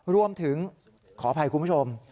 รวมถึงขออภัยคุณผู้ชม